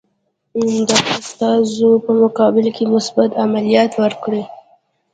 د استازو په مقابل کې مثبت عملیات وکړي.